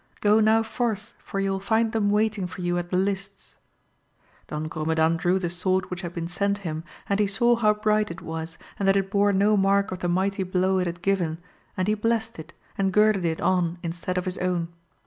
Go now forth, for you will find them waiting for you at the lists. Don Grumedan drew the sword which had been sent him ; and he saw how bright it was, and that it bore no mark of the mighty blow it had given, and he blest it, and girded it on instead of his own.